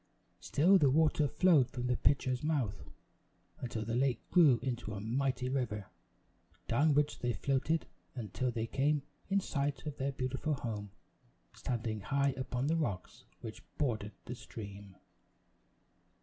Still the water flowed from the pitcher's mouth, until the lake grew into a mighty river, down which they floated until they came in sight of their beautiful home, standing high upon the rocks which bordered the stream.